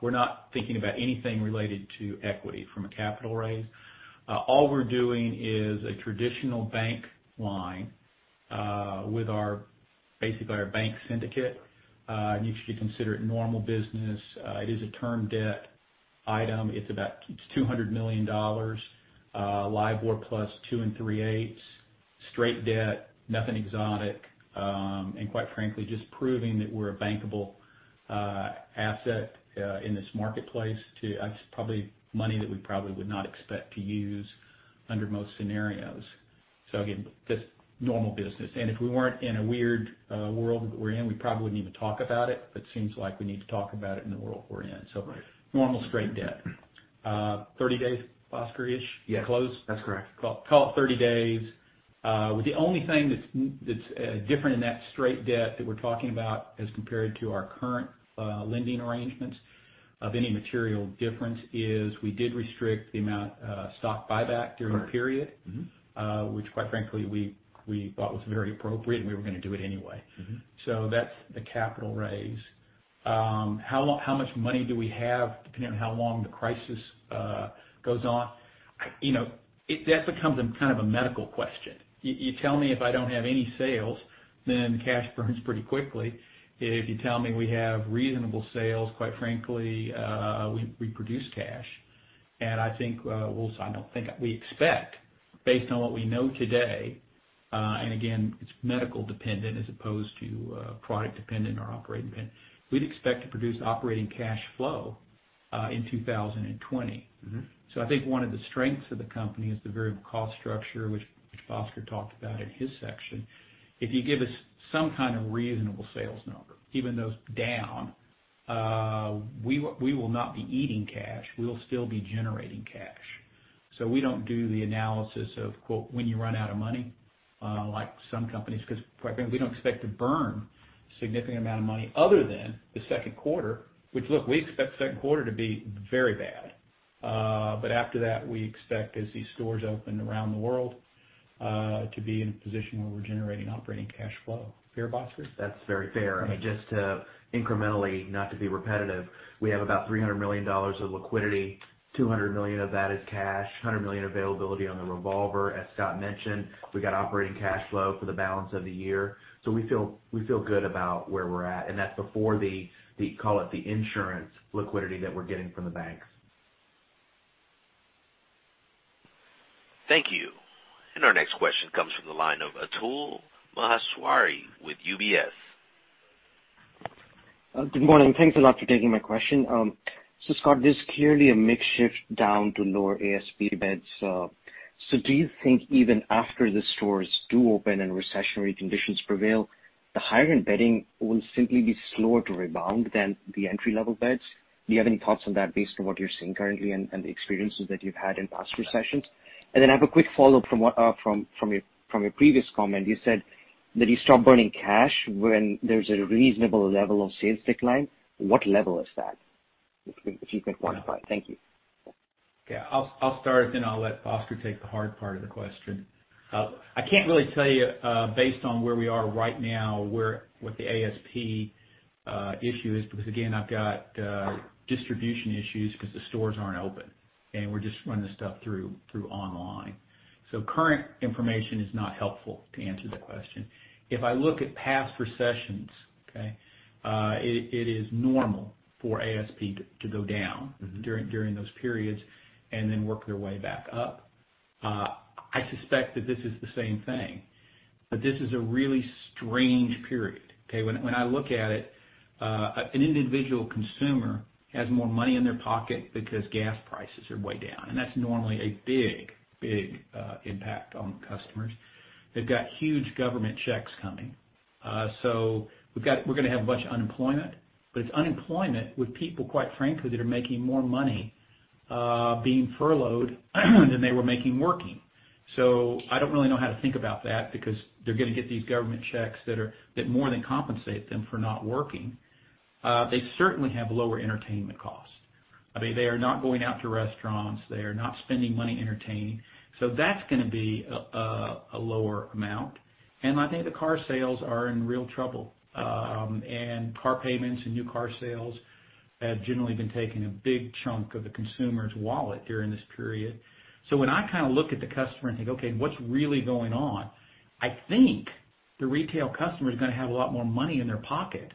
We're not thinking about anything related to equity from a capital raise. All we're doing is a traditional bank line with basically our bank syndicate. You should consider it normal business. It is a term debt item. It's $200 million, LIBOR plus 2 3/8, straight debt, nothing exotic. Quite frankly, just proving that we're a bankable asset in this marketplace, it's probably money that we probably would not expect to use under most scenarios. Again, just normal business. If we weren't in a weird, world that we're in, we probably wouldn't even talk about it, but seems like we need to talk about it in the world we're in. Right. Normal straight debt. 30 days, Bhaskar-ish. Yeah. Close? That's correct. Call, call it 30 days. With the only thing that's different in that straight debt that we're talking about as compared to our current lending arrangements of any material difference is we did restrict the amount, stock buyback during the period. Right. Mm-hmm. Which quite frankly, we thought was very appropriate, and we were gonna do it anyway. That's the capital raise. How much money do we have depending on how long the crisis goes on? You know, that becomes a kind of a medical question. You tell me if I don't have any sales, then cash burns pretty quickly. If you tell me we have reasonable sales, quite frankly, we produce cash. I think, I don't think We expect, based on what we know today, and again, it's medical dependent as opposed to product dependent or operating dependent. We'd expect to produce operating cash flow in 2020. I think one of the strengths of the company is the variable cost structure, which Bhaskar talked about in his section. If you give us some kind of reasonable sales number, even those down, we will not be eating cash, we will still be generating cash. We don't do the analysis of, quote, "When you run out of money," like some companies, 'cause quite frankly, we don't expect to burn significant amount of money other than the second quarter, which look, we expect second quarter to be very bad. After that, we expect as these stores open around the world, to be in a position where we're generating operating cash flow. Fair, Bhaskar? That's very fair. I mean, just to incrementally, not to be repetitive, we have about $300 million of liquidity, $200 million of that is cash, $100 million availability on the revolver. As Scott mentioned, we got operating cash flow for the balance of the year. We feel good about where we're at, and that's before the call it the insurance liquidity that we're getting from the banks. Thank you. Our next question comes from the line of Atul Maheswari with UBS. Good morning, thanks a lot for taking my question. Scott, there's clearly a mix shift down to lower ASP beds. Do you think even after the stores do open and recessionary conditions prevail, the higher-end bedding will simply be slower to rebound than the entry-level beds? Do you have any thoughts on that based on what you're seeing currently and the experiences that you've had in past recessions? I have a quick follow-up from what from your previous comment. You said that you stop burning cash when there's a reasonable level of sales decline. What level is that? If you could quantify. Thank you. I'll start, then I'll let Bhaskar take the hard part of the question. I can't really tell you, based on where we are right now, where what the ASP issue is because again, I've got distribution issues because the stores aren't open, and we're just running this stuff through online. Current information is not helpful to answer the question. If I look at past recessions, okay, it is normal for ASP to go down. During those periods and then work their way back up. I suspect that this is the same thing, this is a really strange period, okay? When I look at it, an individual consumer has more money in their pocket because gas prices are way down, that's normally a big impact on customers. They've got huge government checks coming. We're gonna have a bunch of unemployment, but it's unemployment with people, quite frankly, that are making more money, being furloughed than they were making working. I don't really know how to think about that because they're gonna get these government checks that are, that more than compensate them for not working. They certainly have lower entertainment costs. I mean, they are not going out to restaurants, they are not spending money entertaining. That's going to be a lower amount. I think the car sales are in real trouble. Car payments and new car sales have generally been taking a big chunk of the consumer's wallet during this period. When I kind of look at the customer and think, "Okay, what's really going on?" I think the retail customer is going to have a lot more money in their pocket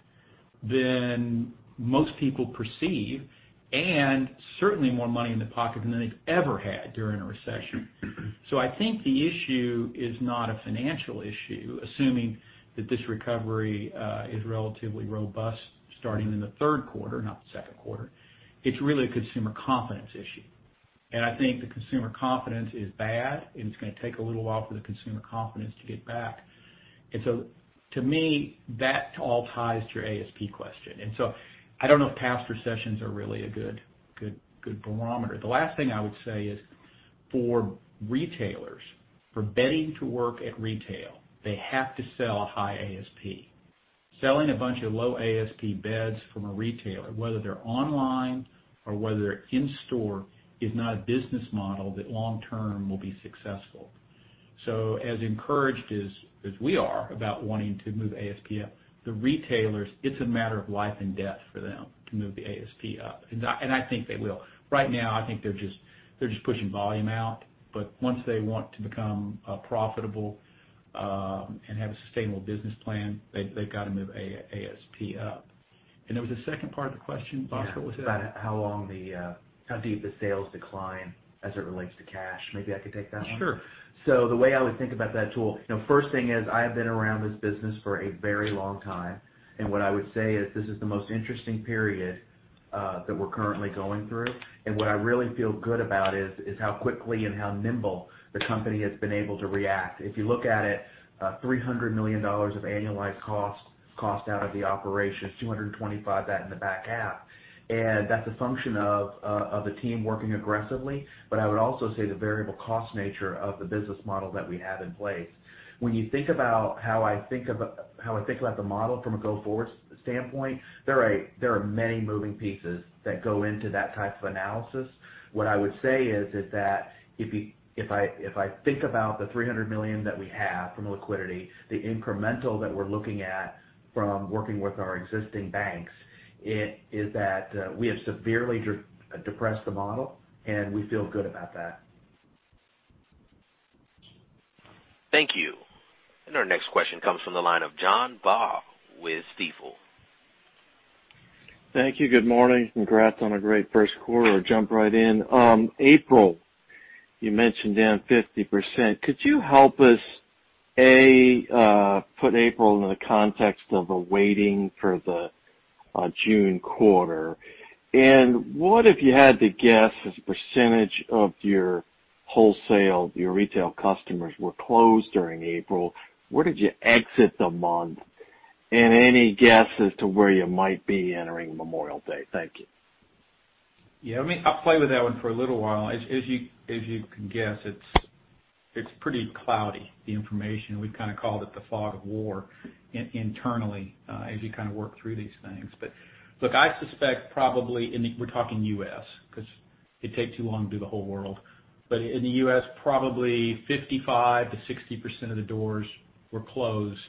than most people perceive, and certainly more money in their pocket than they've ever had during a recession. I think the issue is not a financial issue, assuming that this recovery is relatively robust starting in the third quarter, not the second quarter. It's really a consumer confidence issue. I think the consumer confidence is bad, and it's gonna take a little while for the consumer confidence to get back. To me, that all ties to your ASP question. I don't know if past recessions are really a good barometer. The last thing I would say is for retailers, for bedding to work at retail, they have to sell high ASP. Selling a bunch of low ASP beds from a retailer, whether they're online or whether they're in-store, is not a business model that long term will be successful. As encouraged as we are about wanting to move ASP up, the retailers, it's a matter of life and death for them to move the ASP up. I think they will. Right now, I think they're just pushing volume out. Once they want to become profitable and have a sustainable business plan, they've got to move ASP up. There was a second part of the question, Bhaskar. What was it? Yeah. About how long the, how deep the sales decline as it relates to cash. Maybe I could take that one. Sure. The way I would think about that, Atul, you know, first thing is I have been around this business for a very long time, and what I would say is this is the most interesting period that we're currently going through. What I really feel good about is how quickly and how nimble the company has been able to react. If you look at it, $300 million of annualized cost out of the operations, $225 million that in the back half. That's a function of the team working aggressively. I would also say the variable cost nature of the business model that we have in place. When you think about how I think about the model from a go-forward standpoint, there are many moving pieces that go into that type of analysis. What I would say is that if you- If I think about the $300 million that we have from a liquidity, the incremental that we're looking at from working with our existing banks, it is that, we have severely depressed the model, and we feel good about that. Thank you. Our next question comes from the line of John Baugh with Stifel. Thank you. Good morning. Congrats on a great first quarter. Jump right in. April, you mentioned down 50%. Could you help us, A, put April in the context of awaiting for the June quarter? What if you had to guess as a percentage of your wholesale, your retail customers were closed during April, where did you exit the month? Any guess as to where you might be entering Memorial Day? Thank you. Yeah, I'll play with that one for a little while. As you can guess, it's pretty cloudy, the information. We've kinda called it the Fog of War internally, as you kinda work through these things. Look, I suspect probably, and we're talking U.S., 'cause it'd take too long to do the whole world. In the U.S., probably 55%-60% of the doors were closed,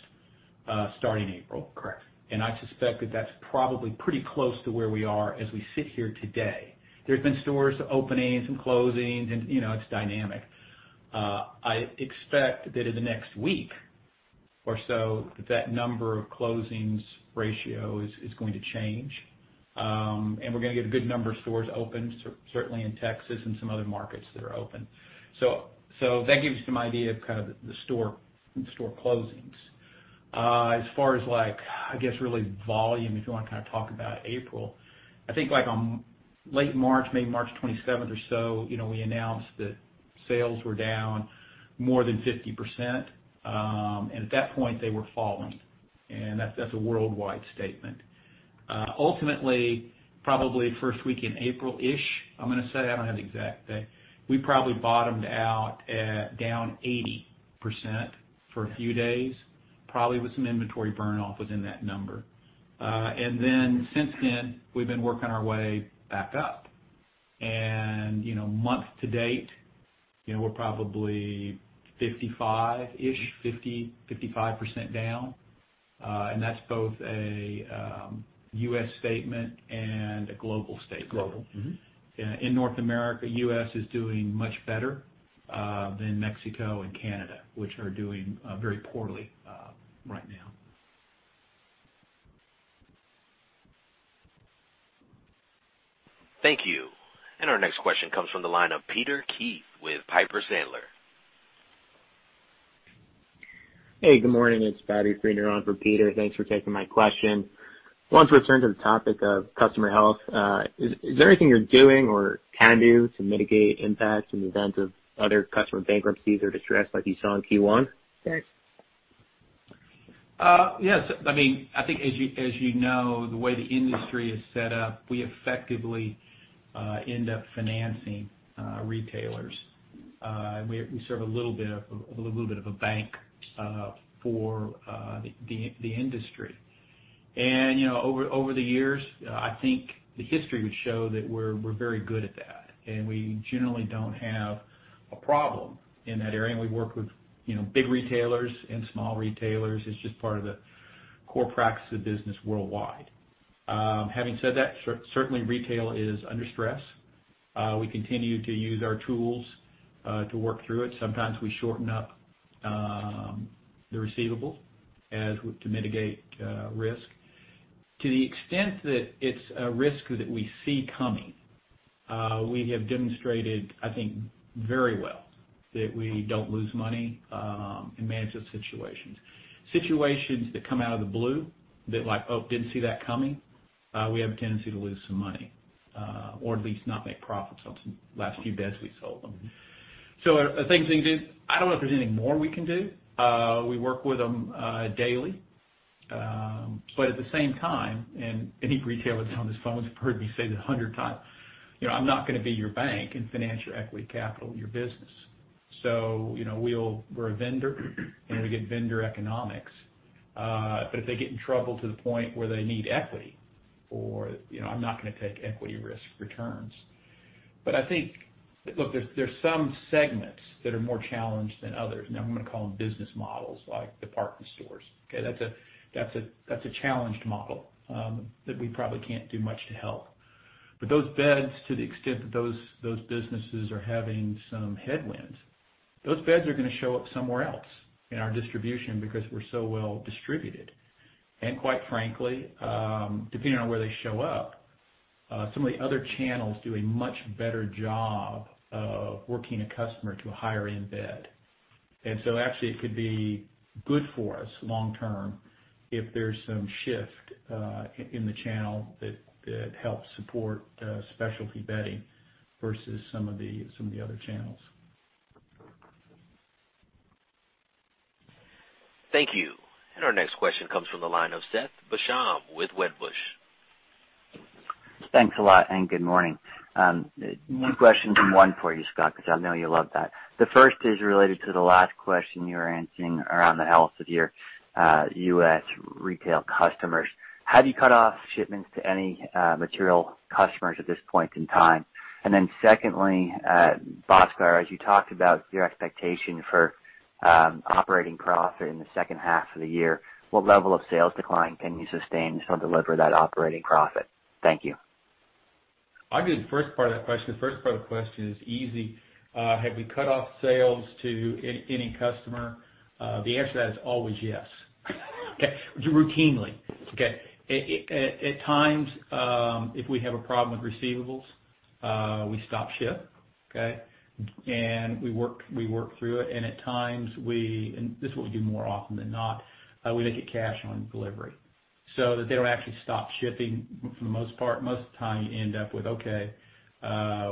starting April. Correct. I suspect that that's probably pretty close to where we are as we sit here today. There's been stores openings and closings, and you know, it's dynamic. I expect that in the next week or so that that number of closings ratio is going to change, and we're gonna get a good number of stores open, certainly in Texas and some other markets that are open. That gives you some idea of kind of the store closings. As far as like, I guess, really volume, if you wanna kind of talk about April. I think like on late March, maybe March 27th or so, you know, we announced that sales were down more than 50%. At that point they were falling, and that's a worldwide statement. Ultimately, probably first week in April-ish, I'm gonna say, I don't have an exact date, we probably bottomed out at down 80% for a few days, probably with some inventory burn off within that number. Since then, we've been working our way back up. You know, month-to-date, you know, we're probably 55%-ish, 50%, 55% down, and that's both a U.S. statement and a global statement. Global, mm-hmm. In North America, U.S. is doing much better than Mexico and Canada, which are doing very poorly right now. Thank you. Our next question comes from the line of Peter Keith with Piper Sandler. Hey, good morning. It's Patrick Reed for Peter. Thanks for taking my question. I want to return to the topic of customer health. Is there anything you're doing or can do to mitigate impact in the event of other customer bankruptcies or distress like you saw in Q1? Yes. I mean, I think as you, as you know, the way the industry is set up, we effectively end up financing retailers. We, we serve a little bit of, a little bit of a bank for the industry. And, you know, over the years, I think the history would show that we're very good at that, and we generally don't have a problem in that area. And we work with, you know, big retailers and small retailers. It's just part of the core practice of business worldwide. Having said that, certainly retail is under stress. We continue to use our tools to work through it. Sometimes we shorten up the receivable as to mitigate risk. To the extent that it's a risk that we see coming, we have demonstrated, I think, very well that we don't lose money in managing situations. Situations that come out of the blue that like, "Oh, didn't see that coming," we have a tendency to lose some money or at least not make profits on some last few beds we sold them. The thing is, I don't know if there's anything more we can do. We work with them daily. At the same time, and any retailer that's on this phone has heard me say this 100x, you know, I'm not gonna be your bank and finance your equity capital in your business. You know, we'll we're a vendor, and we get vendor economics. If they get in trouble to the point where they need equity or, you know, I'm not gonna take equity risk returns. I think, look, there's some segments that are more challenged than others, and I'm gonna call them business models, like department stores. Okay. That's a, that's a, that's a challenged model that we probably can't do much to help. Those beds, to the extent that those businesses are having some headwinds, those beds are gonna show up somewhere else in our distribution because we're so well distributed. Quite frankly, depending on where they show up, some of the other channels do a much better job of working a customer to a higher end bed. Actually it could be good for us long term if there's some shift in the channel that helps support specialty bedding versus some of the other channels. Thank you. Our next question comes from the line of Seth Basham with Wedbush. Thanks a lot, and good morning. Two questions in one for you, Scott, 'cause I know you love that. The first is related to the last question you were answering around the health of your U.S. retail customers. Have you cut off shipments to any material customers at this point in time? Secondly, Bhaskar, as you talked about your expectation for operating profit in the second half of the year, what level of sales decline can you sustain to help deliver that operating profit? Thank you. I'll do the first part of that question. The first part of the question is easy. Have we cut off sales to any customer? The answer to that is always yes. Okay. Routinely. Okay. At times, if we have a problem with receivables, we stop ship. We work through it, and at times we make it cash on delivery, so that they don't actually stop shipping for the most part. Most of the time you end up with, "Okay,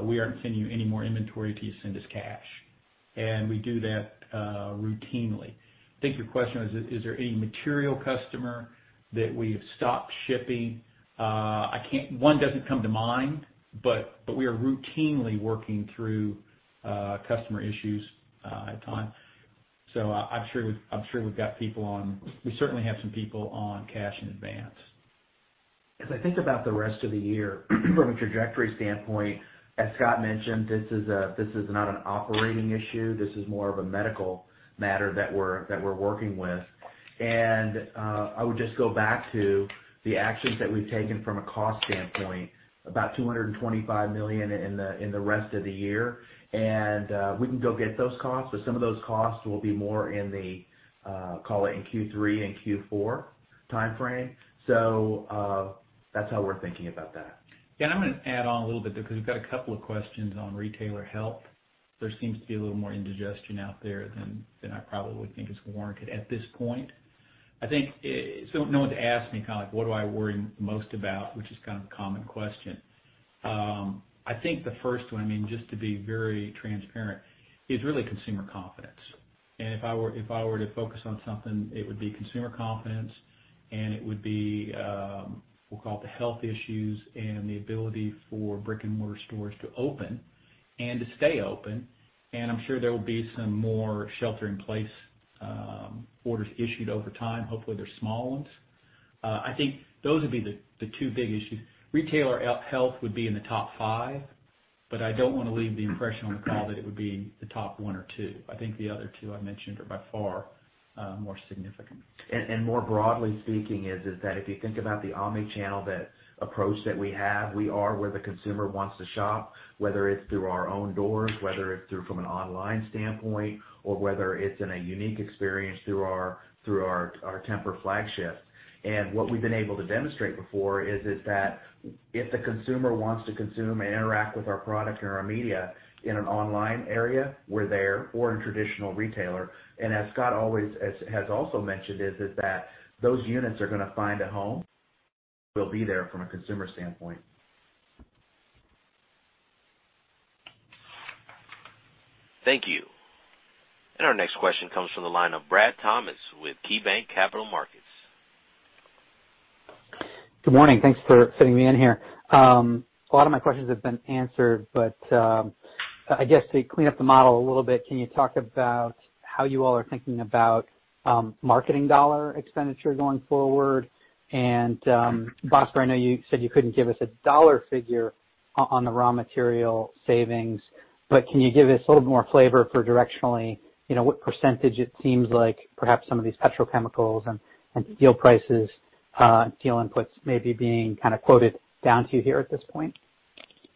we aren't sending you any more inventory till you send us cash." We do that routinely. I think your question was, is there any material customer that we have stopped shipping? One doesn't come to mind, but we are routinely working through customer issues at time. I'm sure we've got people on. We certainly have some people on cash in advance. As I think about the rest of the year, from a trajectory standpoint, as Scott mentioned, this is not an operating issue. This is more of a medical matter that we're working with. I would just go back to the actions that we've taken from a cost standpoint, about $225 million in the rest of the year. We can go get those costs, but some of those costs will be more in the call it in Q3 and Q4 timeframe. That's how we're thinking about that. I'm going to add on a little bit there because we've got a couple questions on retailer health. There seems to be a little more indigestion out there than I probably think is warranted at this point. I think, no one's asked me kind of like what do I worry most about, which is kind of a common question. I think the first one, I mean, just to be very transparent, is really consumer confidence. If I were to focus on something, it would be consumer confidence, and it would be, we'll call it the health issues and the ability for brick-and-mortar stores to open and to stay open. I'm sure there will be some more shelter-in-place two big issues. Retailer health would be in the top five, but I don't wanna leave the impression on the call that it would be the top one or two. I think the other two I mentioned are by far more significant. More broadly speaking is that if you think about the omni-channel approach that we have, we are where the consumer wants to shop, whether it's through our own doors, whether it's through from an online standpoint, or whether it's in a unique experience through our Tempur flagship. What we've been able to demonstrate before is that if the consumer wants to consume and interact with our product or our media in an online area, we're there, or in traditional retailer. As Scott has also mentioned is that those units are gonna find a home. We'll be there from a consumer standpoint. Thank you. Our next question comes from the line of Brad Thomas with KeyBanc Capital Markets. Good morning. Thanks for fitting me in here. A lot of my questions have been answered. I guess to clean up the model a little bit, can you talk about marketing dollar expenditure going forward? Bhaskar, I know you said you couldn't give us a dollar figure on the raw material savings. Can you give us a little more flavor for directionally, you know, what percentage it seems like perhaps some of these petrochemicals and steel prices and steel inputs may be being kind of quoted down to you here at this point?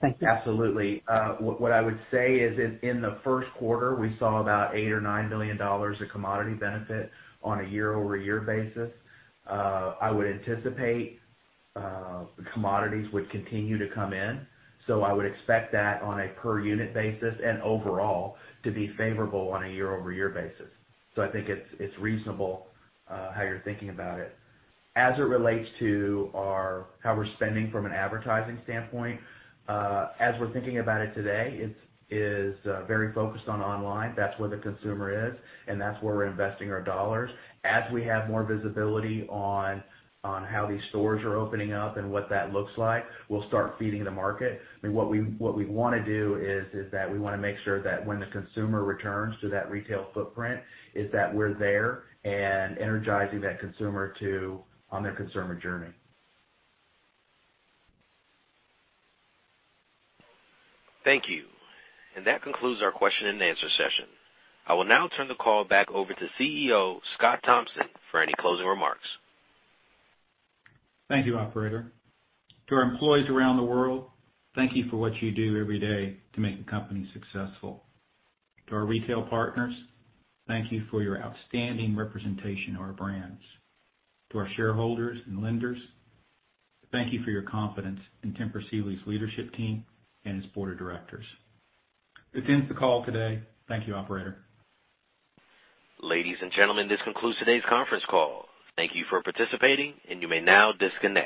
Thank you. Absolutely. What I would say is in the first quarter, we saw about $8 million or $9 million of commodity benefit on a year-over-year basis. I would anticipate the commodities would continue to come in. I would expect that on a per unit basis and overall to be favorable on a year-over-year basis. I think it's reasonable how you're thinking about it. As it relates to our, how we're spending from an advertising standpoint, as we're thinking about it today, it's very focused on online. That's where the consumer is. That's where we're investing our dollars. As we have more visibility on how these stores are opening up and what that looks like, we'll start feeding the market. I mean, what we wanna do is that we wanna make sure that when the consumer returns to that retail footprint, is that we're there and energizing that consumer on their consumer journey. Thank you. That concludes our question-and-answer session. I will now turn the call back over to CEO, Scott Thompson, for any closing remarks. Thank you, operator. To our employees around the world, thank you for what you do every day to make the company successful. To our retail partners, thank you for your outstanding representation of our brands. To our shareholders and lenders, thank you for your confidence in Tempur Sealy's leadership team and its board of directors. This ends the call today. Thank you, operator. Ladies and gentlemen, this concludes today's conference call. Thank you for participating, and you may now disconnect.